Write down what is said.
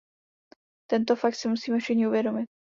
Tento fakt si musíme všichni uvědomit.